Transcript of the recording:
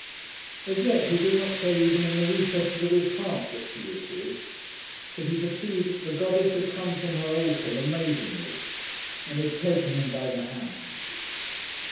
As yet he did not say even in the recesses of his heart that she was his. But he perceived that the goddess had come from her altar amazingly, and had taken him by the hand!